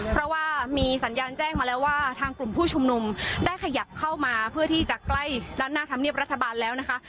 เพราะว่ามีสัญญาณแจ้งมาแล้วว่าทางกลุ่มผู้ชุมนุมได้ขยับเข้ามาเพื่อที่จะใกล้ด้านหน้าธรรมเนียบรัฐบาลแล้วนะคะ